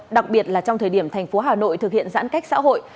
đặc biệt là trong thời điểm tp hà nội thực hiện giãn cách xã hội